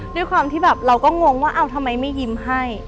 ด้วยความที่แบบเราก็งงว่าเอาทำไมไม่ยิ้มให้